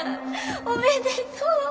おめでとう！